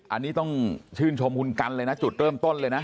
อันนี้ต้องชื่นชมคุณกันเลยนะจุดเริ่มต้นเลยนะ